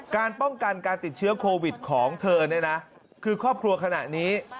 การป้องกันการติดเชื้อโควิดของเธอเนี่ยนะคือครอบครัวขณะนี้